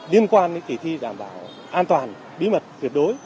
liên quan đến kỳ thi đảm bảo an toàn bí mật tuyệt đối